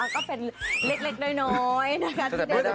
ก็เป็นเล็กน้อยแต่แม่ไดะนะ